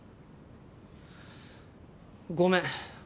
ごめん。